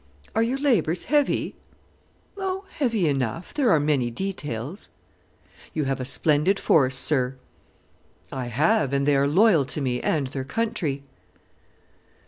"Are your labours heavy?" "Oh, heavy enough; there are many details." "You have a splendid force, sir." "I have, and they are loyal to me and their country."